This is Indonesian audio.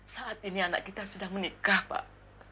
saat ini anak kita sudah menikah pak